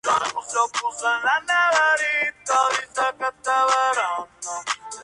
Fallece durante su reclusión en el Campo de Prisioneros de Pisagua.